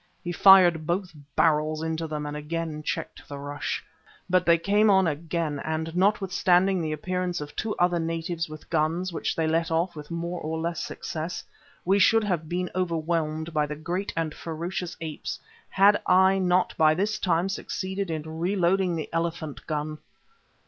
He fired both barrels into them, and again checked the rush. But they came on again, and notwithstanding the appearance of two other natives with guns, which they let off with more or less success, we should have been overwhelmed by the great and ferocious apes had I not by this time succeeded in re loading the elephant gun.